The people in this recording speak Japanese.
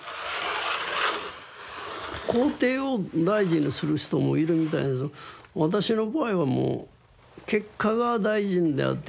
工程を大事にする人もいるみたいですけど私の場合はもう結果が大事であって。